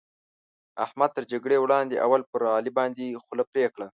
احمد تر جګړې وړاندې؛ اول پر علي باندې خوله پرې کړه.